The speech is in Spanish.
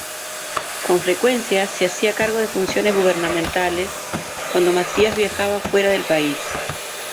Con frecuencia se hacía cargo de funciones gubernamentales cuando Macías viajaba fuera del país.